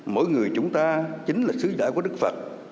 mỗi người chúng ta chính là sứ giả của đức phật